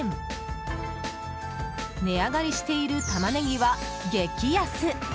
値上がりしているタマネギは激安。